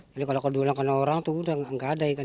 jadi kalau kedua dua kena orang tuh udah nggak ada ikan